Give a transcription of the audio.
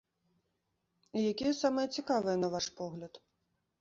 І якія самыя цікавыя на ваш погляд?